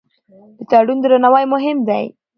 د تړون درناوی مهم دی.